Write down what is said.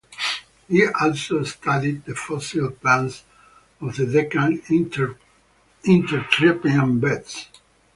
He also studied the fossil plants of the Deccan Intertrappean beds.